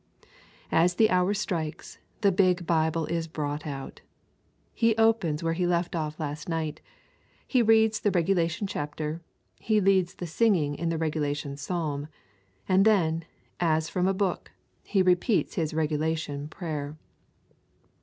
As the hour strikes, the big Bible is brought out. He opens where he left off last night, he reads the regulation chapter, he leads the singing in the regulation psalm, and then, as from a book, he repeats his regulation prayer.